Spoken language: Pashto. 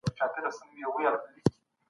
خوب د مرګ یوه کوچنۍ نمونه ده.